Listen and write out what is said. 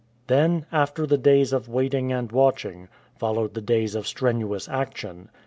Then, after the days of waiting and watching, followed the days of strenuous action.